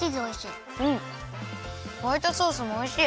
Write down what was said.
ホワイトソースもおいしい！